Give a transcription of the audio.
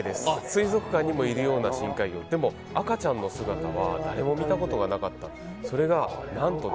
水族館にもいるような深海魚、でも赤ちゃんの姿は誰も見たことがなかった。